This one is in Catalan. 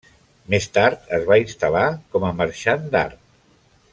Més tard es va instal·lar com a marxant d'art.